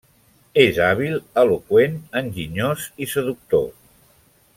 És hàbil, eloqüent, enginyós i seductor.